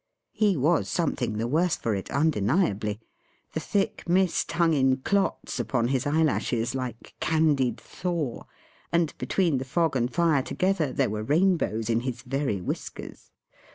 He was something the worse for it, undeniably. The thick mist hung in clots upon his eyelashes like candied thaw; and between the fog and fire together, there were rainbows in his very whiskers.